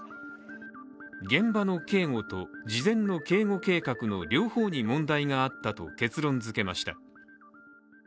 現場の警護と事前の警護計画の両方に問題があったと結論づけました。